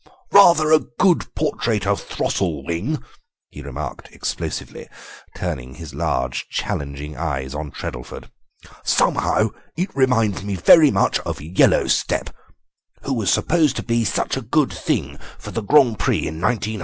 "Rather a good portrait of Throstlewing," he remarked explosively, turning his large challenging eyes on Treddleford; "somehow it reminds me very much of Yellowstep, who was supposed to be such a good thing for the Grand Prix in 1903.